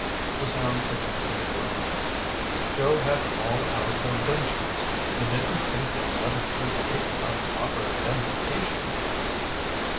The sound technician groaned. "Joe had all our credentials. You didn't think they'd let us through the gate without proper identification?"